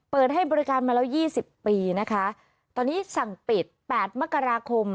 เปิดให้บริการมาแล้วยี่สิบปีนะคะตอนนี้สั่งปิดแปดมกราคม